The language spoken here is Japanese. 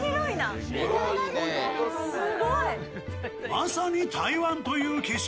まさに台湾という景色。